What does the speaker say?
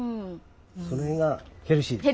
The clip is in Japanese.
その辺がヘルシーですね。